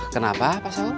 kenapa pak saung